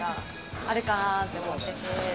あるかなって思ってて。